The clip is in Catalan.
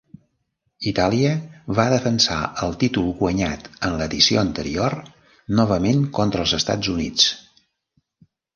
Itàlia va defensar el títol guanyat en l'edició anterior, novament contra els Estats Units.